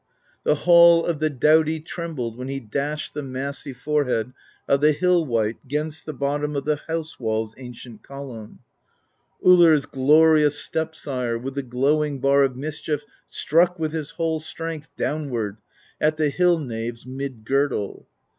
The hall of the doughty trembled When he dashed the massy forehead Of the hill wight 'gainst the bottom Of the house wall's ancient column; Ullr's glorious step sire With the glowing bar of mischief Struck with his whole strength downward At the hill knave's mid girdle.